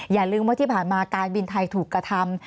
อย่าลืมว่าที่ผ่านมาการบินไทยถูกกระทำ